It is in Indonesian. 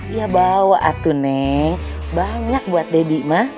iya bawa atuh neng banyak buat debbie mah